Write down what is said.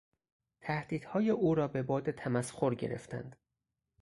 تهدیدهای او را به باد تمسخر گرفتند.